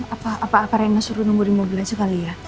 apa apa rena suruh nunggu di mobil aja kali ya